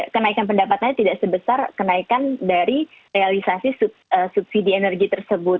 kenaikan pendapatannya tidak sebesar kenaikan dari realisasi subsidi energi tersebut